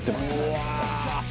うわ。